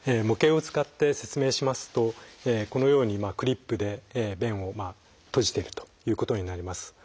模型を使って説明しますとこのようにクリップで弁を閉じてるということになります。